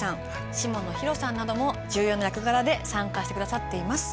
下野紘さんなども重要な役柄で参加して下さっています。